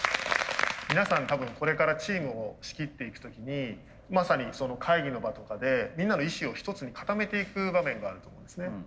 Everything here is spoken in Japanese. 皆さん多分これからチームを仕切っていく時にまさにその会議の場とかでみんなの意思を一つに固めていく場面があると思うんですね。